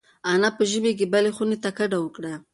انا په ژمي کې بلې خونې ته کډه وکړه.